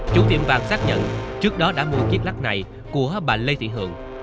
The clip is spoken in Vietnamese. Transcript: chú tiệm vàng xác nhận trước đó đã mua chiếc lắc này của bà lê tiễn hường